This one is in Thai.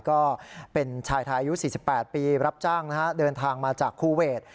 ก็เป็นชายไทยอายุ๔๘ปีรับจ้างเดินทางมาจากคูเวท